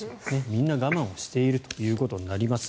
みんな我慢をしているということになります。